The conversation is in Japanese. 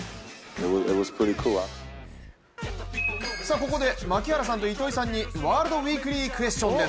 ここで槙原さんと糸井さんにワールドウィークリークエスチョンです。